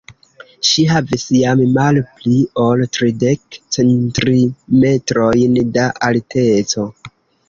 Ŝi havis jam malpli ol tridek centimetrojn da alteco.